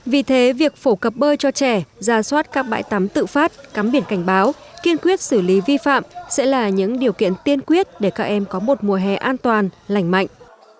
vì thế việc phổ cập bơi cho trẻ ra soát các bãi tắm tự phát cắm biển cảnh báo kiên quyết xử lý vi phạm sẽ là những điều kiện tiên quyết để các em có một mùa hè an toàn lành mạnh